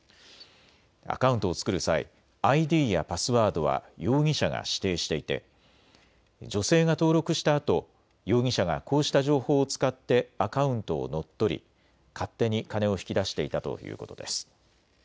アカウントを作る際、ＩＤやパスワードは容疑者が指定していて女性が登録したあと容疑者がこうした情報を使ってアカウントを乗っ取り勝手に金を引き出していたということです。